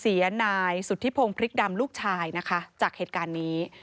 เสียนายสุธิพงศ์พริกดำลูกชายนะคะจากเหตุการณ์นี้